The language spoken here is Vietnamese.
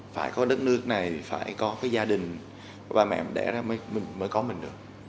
phải có đất nước này phải có gia đình có ba mẹ mà đẻ ra mới có mình được